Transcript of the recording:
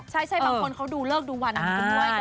ใช่บางคนเขาดูเลิกดูวันคุณด้วย